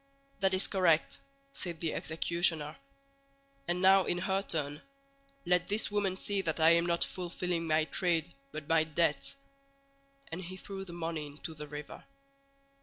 "That is correct," said the executioner; "and now in her turn, let this woman see that I am not fulfilling my trade, but my debt." And he threw the money into the river.